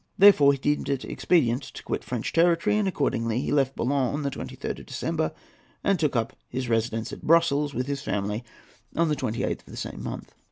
Therefore, he deemed it expedient to quit French territory, and accordingly he left Boulogne on the 23rd of December, and took up his residence at Brussels, with his family, on the 28th of the same month.